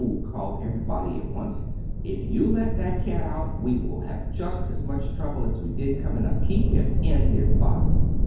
called everybody at once. "If you let that cat out we will have just as much trouble as we did coming up. Keep him in his box."